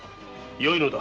よいのだ。